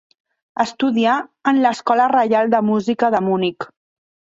Estudià en l'Escola reial de Música de Munic.